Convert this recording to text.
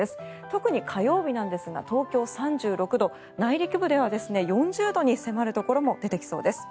特に火曜日なんですが東京、３６度内陸部では４０度に迫るところも出てきそうです。